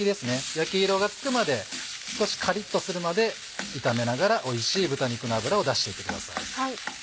焼き色がつくまで少しカリっとするまで炒めながらおいしい豚肉の脂を出していってください。